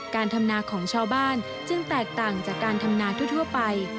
การทำนาของชาวบ้านจึงแตกต่างจากการทำนาทั่วไป